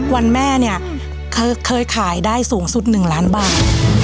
วันแม่เนี่ยเคยขายได้สูงสุด๑ล้านบาท